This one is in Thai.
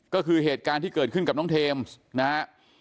ก็คือเหตุการณ์ที่เกิดขึ้นกับน้องเทมส์นะฮะ